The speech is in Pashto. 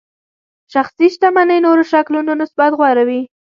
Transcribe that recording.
شخصي شتمنۍ نورو شکلونو نسبت غوره وي.